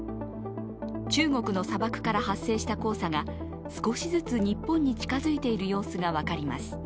中国の砂漠から発生した黄砂が少しずつ日本に近づいている様子が分かります。